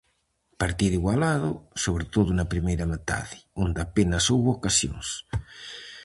Partido igualado, sobre todo na primeira metade, onde apenas houbo ocasións.